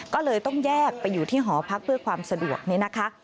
ก็เลยต้องแยกไปอยู่ที่หอพักเพื่อความสะดวกนี้นะคะ